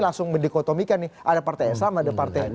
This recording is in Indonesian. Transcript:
langsung mendikotomikan nih ada partai yang sama ada partai yang lain